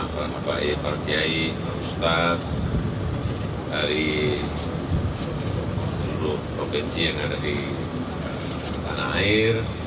para abai partiai ustadz dari seluruh provinsi yang ada di tanah air